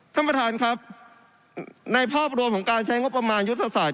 ท่านประธานครับในภาพรวมของการใช้งบประมาณยุทธศาสต